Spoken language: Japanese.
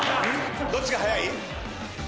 どっちが早い？